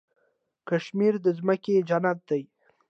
کشمیر د ځمکې جنت دی.